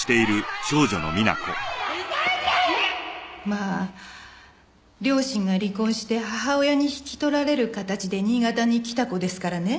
まあ両親が離婚して母親に引き取られる形で新潟に来た子ですからね